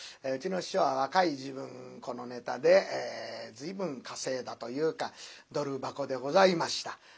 うちの師匠は若い時分このネタで随分稼いだというかドル箱でございました。